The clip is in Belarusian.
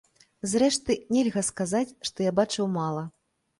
Зрэшты, нельга сказаць, што я бачыў мала.